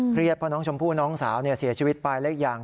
เครียดเพราะน้องชมพู่น้องสาวเนี่ยเสียชีวิตไปและอีกอย่าง